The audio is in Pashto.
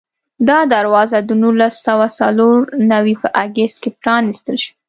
دا دروازه د نولس سوه څلور نوي په اګست کې پرانستل شوه.